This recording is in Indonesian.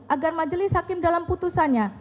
agar majelis hakim dalam putusannya